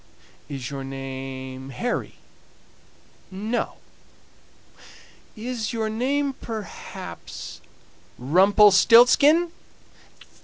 "Is your name Harry?" "No." "Is your name perhaps, Rumpelstiltzkin?"